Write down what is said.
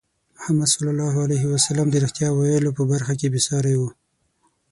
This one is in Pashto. محمد صلى الله عليه وسلم د رښتیا ویلو په برخه کې بې ساری وو.